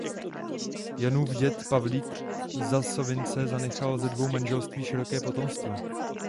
Janův děd Pavlík ze Sovince zanechal ze dvou manželství široké potomstvo.